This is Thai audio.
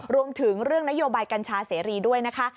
เรื่องนโยบายกัญชาเสรีด้วยนะคะ